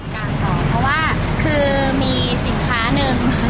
ว่าการสอบคือมีสินค้าหนึ่ง